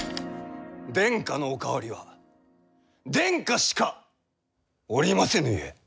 殿下のお代わりは殿下しかおりませぬゆえ。